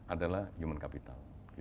adalah human capital